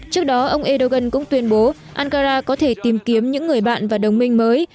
trước đó ông erdogan cũng tuyên bố ankara có thể tìm kiếm những người bạn và đồng minh mới